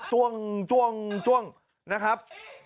ช่วงช่วงช่วงนะครับ